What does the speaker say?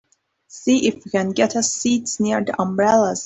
See if you can get us seats near the umbrellas.